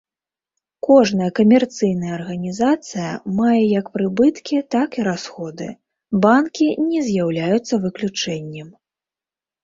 Кожная камерцыйная арганізацыя мае як прыбыткі так і расходы, банкі не з'яўляюцца выключэннем.